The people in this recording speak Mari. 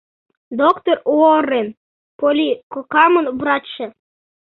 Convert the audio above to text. — Доктыр Уоррен — Полли кокамын врачше.